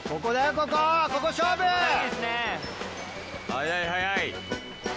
速い速い。